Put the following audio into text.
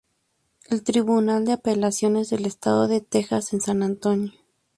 El tribunal de apelaciones del estado de Texas en San Antonio.